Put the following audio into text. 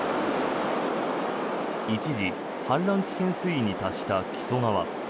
一時、氾濫危険水位に達した木曽川。